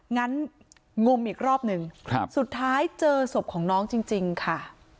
งั้นงมอีกรอบหนึ่งสุดท้ายเจอศพของน้องจริงค่ะ